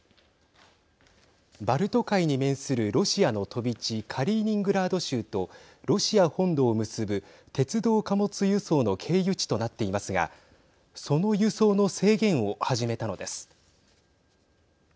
バルト海に面するロシアの飛び地カリーニングラード州とロシア本土を結ぶ鉄道貨物輸送の経由地となっていますがその輸送の制限を始めたのです。